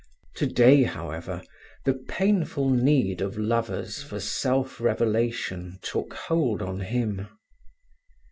Today, however, the painful need of lovers for self revelation took hold on him.